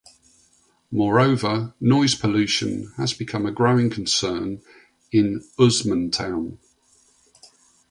Moreover, noise pollution has become a growing concern in Usmantown.